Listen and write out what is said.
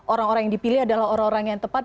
orang orang yang dipilih adalah orang orang yang tepat